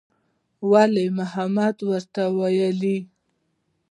ولي محمد راته وويل.